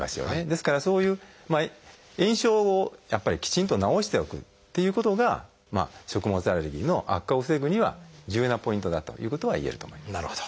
ですからそういう炎症をやっぱりきちんと治しておくっていうことが食物アレルギーの悪化を防ぐには重要なポイントだということがいえると思います。